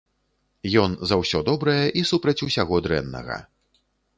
Ён за ўсё добрае і супраць усяго дрэннага.